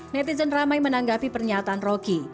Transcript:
netizen ramai menanggapi pernyataan roky